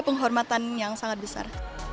penghormatan yang sangat besar